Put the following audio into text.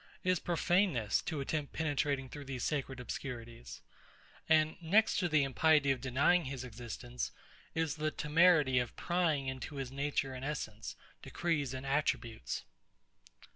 It is profaneness to attempt penetrating through these sacred obscurities. And, next to the impiety of denying his existence, is the temerity of prying into his nature and essence, decrees and attributes.